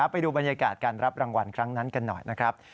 ไปดูบรรยากาศการรับรางวัลครั้งนั้นกันหน่อยนะครับ